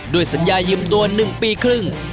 สัญญายืมตัว๑ปีครึ่ง